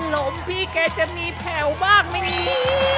ลมพี่แกจะมีแผลวบ้างไหมเนี่ย